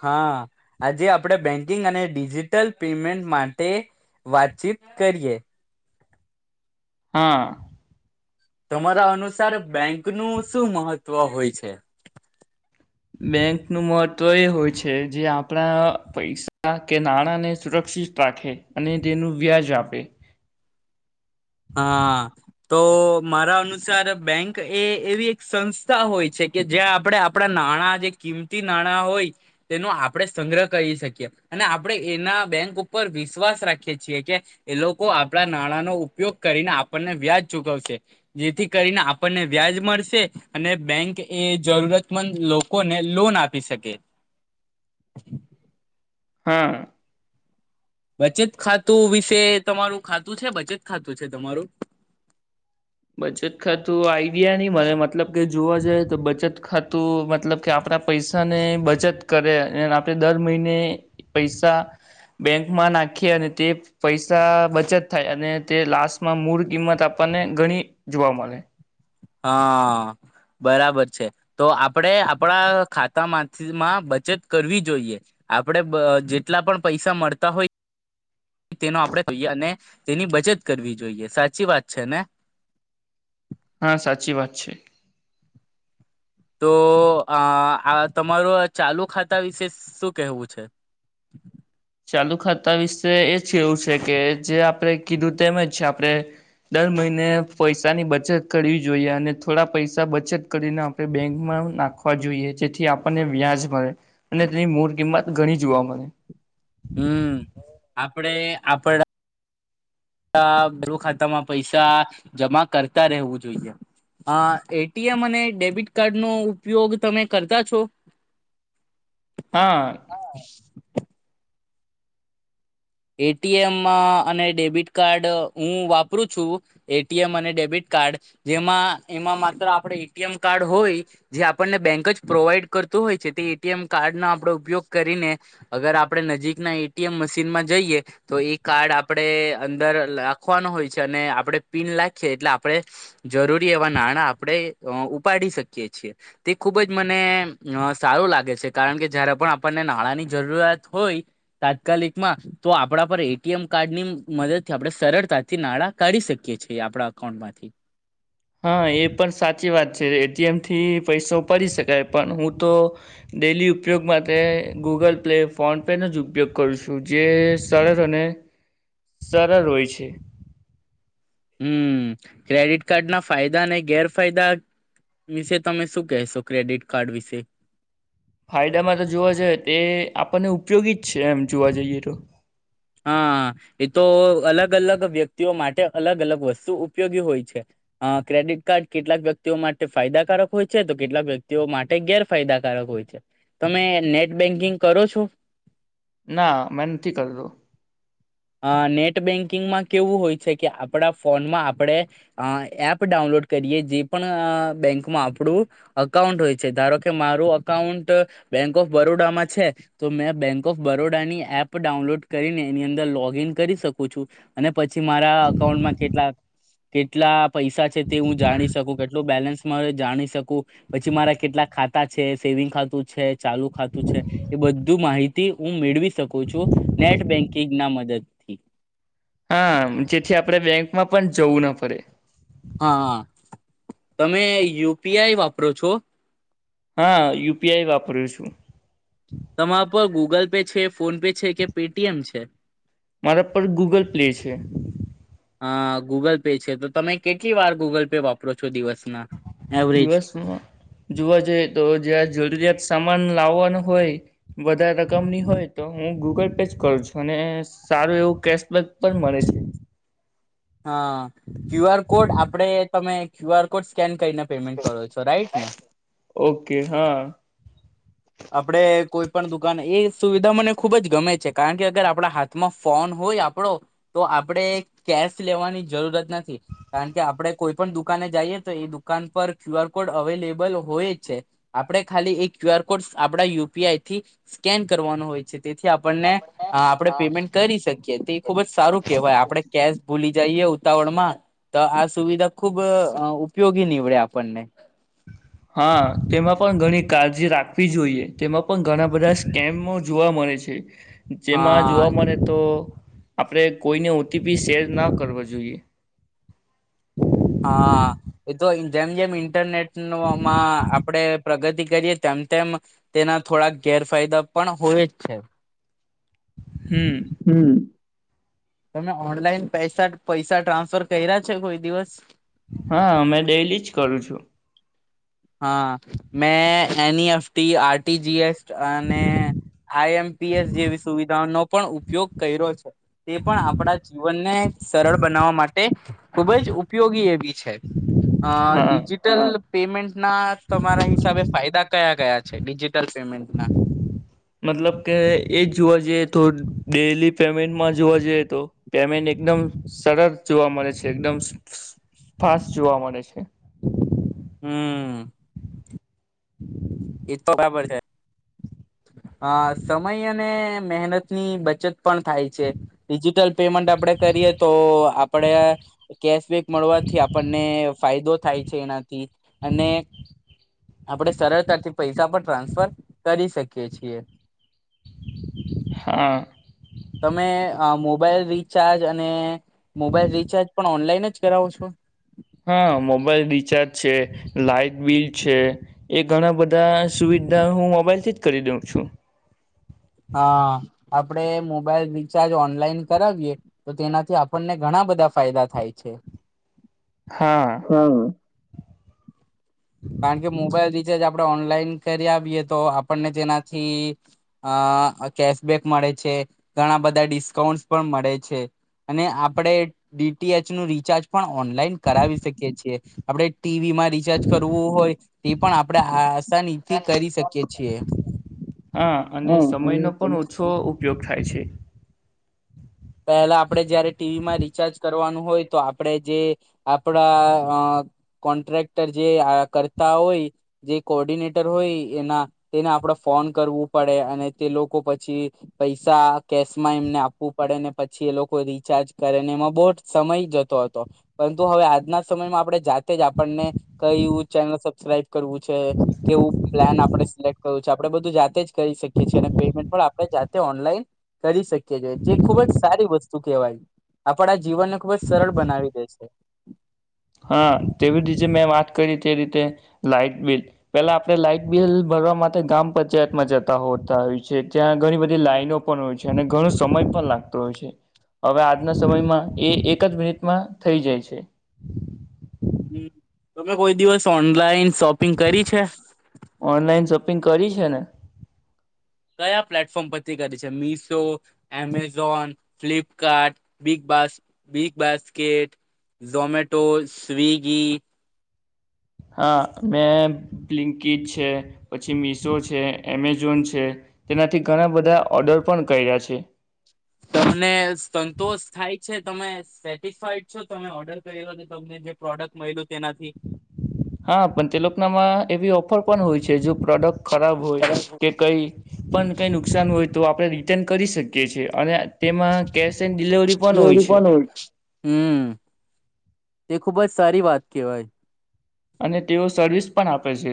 હ હા, આજે આપણેે બેંકિંગ અને ડિજિટલ પેમેન્ટ માટે વાતચીત કરીએ હા તમારા અનુસાર બેંક નું શું મહત્વ હોય છે બેંકનું મહત્ત્વ એ હોય છે, જે આપણા પૈસા કે નાણાંને સુરક્ષિત રાખે અને તેનું વ્યાજ આપે હા, તો મારા અનુસાર બેંક એ એવી એક સંસ્થા હોય છે કે જ્યાં આપણે આપણા નાણાં જે કિંમતી નાણાં હોય તેનો આપણે સંગ્રહ કરી શકીએ અને આપણેે એના બેંક ઉપર વિશ્વાસ રાખીએ છીએ કે એ લોકો આપણા નાણાંનો ઉપયોગ કરીને આપણને વ્યાજ ચુકવશે જેથી કરીને આપણને વ્યાજ મળશે અને બેંક એ જરૂરતમંદ લોકોને લોન આપી શકે હા બચત ખાતું વિશે તમારું ખાતું છે બચત ખાતું છે તમારું બચત ખાતું આઈડિયા ની મને મતલબ કે જોવા જઈએ તો બચત ખાતું મતલબ કે આપણા પૈસાને બચત કરે અને આપણે દર મહિને પૈસા બેંકમાં નાખીએ અને તે પૈસા બચત થાય અને તે લાસ્ટમાં મૂળ કિંમત આપણને ઘણી જોવા મળે હા, બરાબર છે તો આપણેે આપણા ખાતામાંથીમાં બચત કરવી જોઈએ આપણે જેટલા પણ પૈસા મળતા હોય તેનો આપણેએ અને તેની બચત કરવી જોઈએ સાચી વાત છે ને હા, સાચી વાત છે તો આ આ તમારું ચાલુ ખાતા વિશે શું કેહેવું છે ચાલુ ખાતા વિશે એ એવું છે કે જે આપણે કીધું તેમ જ આપણે દર મહિને પૈસાની બચત કરવી જોઈએ અને થોડા પૈસા બચત કરીને આપણે બેંકમાં નાખવા જોઈએ જેથી આપણને વ્યાજ મળે અને તેની મૂળ કિંમત ઘણી જોવા મળે હમ, આપણેે આપણા ખાતામાં પૈસા જમા કરતા રહેવું જોઈએ, એટીએમ અને ડેબિટ કાર્ડ નો ઉપયોગ તમે કરતા છો? હા. એટીએમ અને ડેબિટ કાર્ડ હું વાપરું છું એટીએમ અને ડેબિટ કાર્ડ જેમાં એમાં માત્ર આપણે એટીએમ કાર્ડ હોય જે આપણને બેંક જ પ્રોવાઈડ કરતું હોય છે તે એટીએમ કાર્ડનો આપણે ઉપયોગ કરીને અગર આપણે નજીકના એટીએમ મશીનમાં જઈએ તો એ કાર્ડ આપણેે અંદર લખવાનો હોય છે અને આપણે પિન લખીએ એટલે આપણે જરૂરી એવા નાણાં આપણે ઉપાડી શકીએ છીએ તે ખૂબ જ મને સારું લાગે છે કારણ કે જયારે પણ આપણને નાણાંની જરૂરિયાત હોય તાત્કાલિકમાં તો આપણા પર એટીએમ કાર્ડ ની મદદથી આપણે સરળતાથી નાણાં કાઢી શકીએ છીએ આપણા અકાઉન્ટમાંથી. હા એ પણ સાચી વાત છે એટીએમથી પૈસો પરી શકાય પણ હું તો ડેલી ઉપયોગ માટે ગૂગલ પે ફોન પેનો જ ઉપયોગ કરું છું જે સરળ અને સરળ હોય છે. હમ ક્રેડિટ કાર્ડના ફાયદા અનેને ગેરફાયદા વિશે તમે શું કહેશો ક્રેડિટ કાર્ડ વિશે. ફાયદામાં તો જોવા જઈ તે આપણને ઉપયોગી જ છે એમ જોવા જઈએ તો હા એ તો અલગ અલગ વ્યક્તિઓ માટે અલગ અલગ વસ્તુ ઉપયોગી હોય છે અ ક્રેડિટ કાર્ડ કેટલાક વ્યક્તિઓ માટે ફાયદાકારક હોય છે તો કેટલાક વ્યક્તિઓ માટે ગેરફાયદાકારક હોય છે તમે નેટ બેન્કિંગ કરો છો. ના મેં નથી કરતો. અ નેટ બેન્કિંગમાં કેવું હોય છે કે આપણા ફોનમાં આપણે એપ ડાઉનલોડ કરીએ જે પણ બેંકમાં આપણું અકાઉન્ટ હોય છે ધારો કે મારું અકાઉન્ટ બેંક ઓફ બરોડામાં છે તો મેં બેંક ઓફ બરોડાની એપ ડાઉનલોડ કરીને એની અંદર લોગ એમ કરી શકુ છું અને પછી મારા અકાઉન્ટમાં કેટલા કેટલા પૈસા છે તે હું જાણી શકું કેટલું બેલેન્સ મા જાણી શકું પછી મારા કેટલા ખાતા છે સેવિંગ ખાતું છે ચાલુ ખાતું છે એ બધું માહિતી હું મેળવી શકું છું નેટ બેન્કિંગ ના મદદ થી હા જેથી આપણેે બેંકમાં પણ જવું ના પડે. હા તમે યુ પી આઈ વાપરો છો? હા યુ પી આઈ વાપરું છું. તમારા પર ગૂગલ પે છે ફોન પે છે કે પે ટી એમ છે. મારા પર ગૂગલ પ્લે છે. અ ગૂગલ પે છે તો તમે કેટલી વાર ગૂગલ પે વાપરો છો દિવસ દિવસમાં જોવા જઈએ તો જ્યાં જરૂરિયાત સામાન લાવાનું હોય વધારે રકમની હોય તો હું ગૂગલ પે જ કરું છું અને સારું એવું કેશબેક પણ મળે છે. હા ક્યુ આર કોડ આપડે તમે ક્યુ આર કોડ સ્કેન કઈ [unintelligible] પેમેન્ટ કરો છો રાઈટ ને. ઓકે હા આપડે કોઈ પણ દુકાન એ સુવિધા મને ખુબ જ ગમે છે કારણ કે અગર આપણા હાથમાં ફોન હોય આપડો તો આપણેે કેશ લેવાની જરૂરત નથી કારણ કે આપણે કોઈ પણ દુકાને જઈએ તો એ દુકાન પર ક્યુ આર કોડ અવેલેબલ હોય જ છે આપણે ખાલી એ ક્યુ આર કોડ આપડા યુપીઆઈ થી સ્કેન કરવાનો હોય છે. તેથી આપણને આપડે પેમેન્ટ કરી શકીએ તે ખુબ જ સારું કહેવાય આપણે કેશ ભૂલી જઈએ ઉતાવળ માં તો આ સુવિધા ખુબ ઉપયોગી નીવડે આપણને. હા તેમાં પણ ઘણી કાળજી રાખવી જોઈએ તેમાં પણ ઘણા બધા સ્કેમ ઓ જોવા મળે છે. જેમાં હા જોવા મળે તો આપડે કોઈને ઓ ટી પી શેર ના કરવો જોઈએ. હા એ તો જેમ જેમ ઇન્ટરનેટ નો અમા આપ આપડે પ્રગતિ કરીએ તેમ તેમ તેના થોડાક ગેરફાયદા પણ હોય જ છે. હમ હમ્મ. તમે ઓનલાઈન પૈસા પૈસા ટ્રાન્સફર કર્યા છે કોઈ દિવસ. હા મે ડેલી જ કરું છું. હા મેં N E F T R T G S અને આઈ એમ પી એસ જેવી સુવિધાઓ નો પણ ઉપયોગ કર્યો છે. તે પણ આપણા જીવનને સરળ બનાવવા માટે ખૂબ જ ઉપયોગી એવી છે અ હા ડિજિટલ પેમેન્ટ. ના તમારા હિસાબે ફાયદા કયા કયા છે ડિજિટલ પેમેન્ટ ના. મતલબ કે એ જોવા જઈએ તો ડેલી. પેમેન્ટમાં જોવા જઈએ તો પેમેન્ટ એકદમ સરળ જોવા મળે છે, એકદમ ફાસ્ટ જોવા મળે છે. હમ એ તો બરાબર [unintelligible] અ સમય અને મહેનતની બચત પણ થાય છે, ડિજિટલ પેમેન્ટ આપડે કરીએ તો આપડે કેશબેક મળવાથી આપણને ફાયદો થાય છે, એનાથી અને આપડે સરળતાથી પૈસા પણ ટ્રાન્સફર કરી શકી કે છીએ હા તમે મોબાઈલ રિચાર્જ અને મોબાઈલ રિચાર્જ પણ ઓનલાઈન જ કરાવો છો. હા મોબાઈલ રિચાર્જ છે, લાાઈટ બિલ છે, એ ઘણા બધા સુવિધા હું, મોબાઈલથી જ કરી દઉં છું. હા આપડે મોબાઈલ રિચાર્જ ઓનલાઈન કરાવીએ તો તેનાથી આપણને ઘણા બધા ફાયદા થાય છે. હા કારણકે મોબાઈલ રિચાર્જ આપણે ઓનલાઈન કરી આવીએ તો આપણને તેનાથી અ કેશબેક મળે છે, ઘણા બધા ડિસ્કાઉન્ટ પણ મળે છે, અને આપણે ડી ટી એચ નું રિચાર્જ પણ ઓનલાઈન કરાવી શકીએ છીએ આપણે ટીવીમાં રિચાર્જ કરવું હોય તે પણ આપડે આસાનીથી કરી શકીએ છીએ હા હ અને સમયનો પણ તમે ઓછો ઉપયોગ થાય છે. પહેલા આપડે જયારે ટીવીમાં રિચાર્જ કરવાનું હોય તો આપણેે જે આપડા કોન્ટ્રાક્ટર જે કરતા હોય જે કોર્ડિનેટર હોય એના તેને આપણે ફોન કરવું પડે અને તે લોકો પછી પૈસા કેશમાં એમને આપવું પડેને પછી એ લોકો રિચાર્જ કરે ને એમાં બહુ જ સમય જતો હતો પરંતુ હવે આજના સમયમાં આપણે જાતે જ આપણને કયુ ચેનલ સબસ્ક્રાઈબ કરવું છે, કેવું પ્લાન આપણે સિલેક્ટ કરવું છે, આપડે બધું જાતે જ કરી શકીએ છીએ. અને પેમેન્ટ પણ આપણે જાતે ઓનલાઈન કરી શકીએ જે ખુબ જ સારી વસ્તુ કહેવાય આપણા જીવનને ખૂબ જ સરળ બનાવી દે છે. હા તેવી રીતે મેં વાત કરી તે રીતે લાઈટ બિલ પેલા આપણે લાઈટ બિલ ભરવા માટે ગ્રામ પંચાયતમાં જતા હોતા હોય છે, ત્યાં ઘણી બધી લાઈનો પણ હોય છે, અને ઘણો સમય પણ લાગતો હોય છે, હવે આજના સમયમાં એ એક જ મિનિટમાં થઈ જાય છે. હમ તમે કોઈ દિવસ ઓનલાઈન શોપિંગ કરી છે. ઓનલાઈન શોપિંગ કરી છે, ને કયા પ્લેટફોર્મ પરથી કરી છે, મિશો એમેઝોન ફ્લિપકાર્ટ બિગબાસ બિગબાસ્કેટ ઝોમેટોઝસ્વિગી હા, મેં બ્લિકિટ છે, પછી મિશો છે, એમેઝોન છે તેનાથી ઘણાં બધાં ઓર્ડર પણ કર્યા છે. તમને સંતોષ થાય છે તમે સેટિસફાઈડ છો તમે ઓર્ડર કર્યો ને તમને જે પ્રોડક્ટ મળ હા, પણ તે લોકનામાં એવી અર્પણ હોય છે જો પ્રોડક્ટ ખરાબ હોય કે કઈ પણ કઈ નુકસાન હોય તો આપણે રિટર્ન કરી શકીએ છીએ અને તેમાં કેશ એન ડિલવરી પણ હોય છે. [inaudible] ને ખૂબ જ સારી વાત કેવાય. અને તેઓ સર્વિસ પણ આપે છે.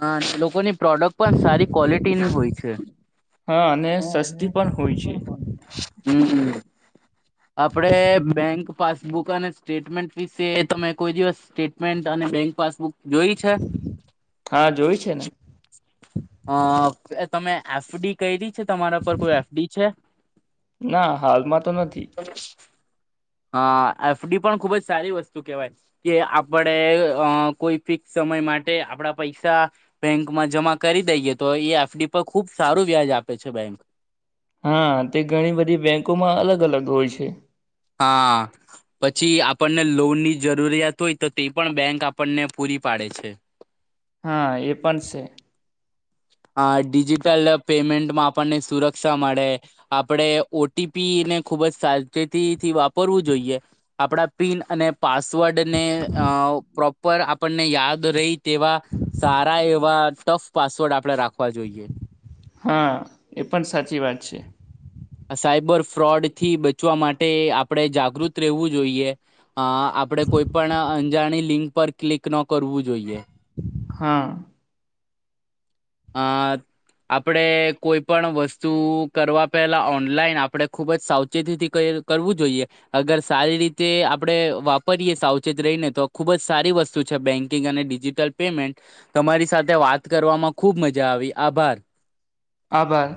હા, લોકોની પ્રોડક્ટ પણ સારી ક્વોલિટીની હોય છે. અને હા અને પણ હોય સસ્તી છે પણ હોય હમ્મ. આપરે બેંક પાસબુક અને સ્ટેટમેન્ટ ની વિશે તમે કોઈ દિવસ સ્ટેટમેન્ટ અને બેંક પાસબુક જોઈ છે? હા જોય છે ને. અ તમે એફડી કયરી. છે તમારા પર કોઈ એફડી છે. ના હાલમાં તો નથી હ એફડી પણ ખુબ જ સારી વસ્તુ કેહેવાય કે આપણે અ કોઈ ફિક્સ સમય માટે આપણા પૈસા બેંકમાં જમા કરી દઈએ તો એ એફડી પર ખુબ સારું વ્યાજ આપે છે બેંક. હા તે ઘણી બધી બેંકોમાં અલગ અલગ હોય છે. હા પછી આપણને લોનની જરૂરિયાત હોય તો તે પણ બેંક આપણને પૂરી પાડે છે. હા એ પણ સે. આ ડિજિટલ પેમેન્ટમાં આપણને સુરક્ષા મળે આપણેે ઓ ટી પી ને ખુબ જ સાવચેતીથી વાપરવું જોઈએ આપડા પિન અને પાસવર્ડ ર્ડને આ પ્રો પર આપણને યાદ રહી તેવા સારા એવા ટફ પાસ [unintelligible] આપડે રાખવા જોઈએ. હા એ પણ સાચી વાત છે. આ સાયબર ફ્રોડ થી બચવા માટે આપણેે જાગૃત રહેવું જોઈએ. હ આપડે કોઈ પણ અંજાણી લિંક પર ક્લિક ન કરવું જોઈએ. હા. અ આપણેે કોઈ પણ વસ્તુ કરવા પહેલા ઓનલાઈન આપણે ખુબ જ સાવચેતીથી કરવું જોઈએ અગર સારી રીતે આપડે વાપરીએ સાવચેત રહીને તો ખુબ જ સારી વસ્તુ છે બેંકિંગ અને ડિજિટલ પેમેન્ટ તમારી સાથે વાત કરવામાં ખૂબ મજા આવી આભાર. આભાર.